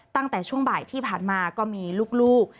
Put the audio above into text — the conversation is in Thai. ตั้งแต่ช่วงบ่ายที่ผ่านมาก็มีลูก